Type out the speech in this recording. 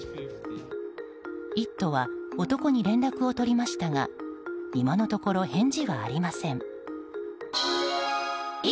「イット！」は男に連絡を取りましたが今のところ、返事がありません。